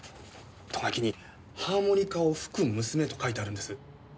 ト書きに「ハーモニカを吹く娘」と書いてあるんです。